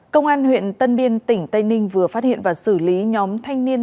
công an huyện tân biên tỉnh tây ninh vừa phát hiện và xử lý nhóm thanh niên